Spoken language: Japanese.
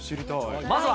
まずは。